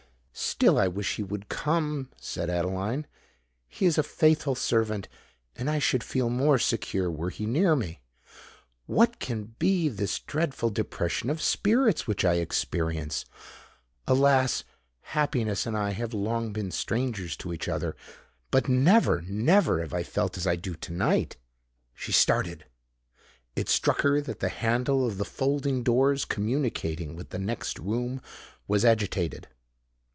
"Still I wish he would come!" said Adeline. "He is a faithful servant—and I should feel more secure were he near me. What can be this dreadful depression of spirits which I experience? Alas! happiness and I have long been strangers to each other: but never—never have I felt as I do to night!" She started: it struck her that the handle of the folding doors communicating with the next room was agitated.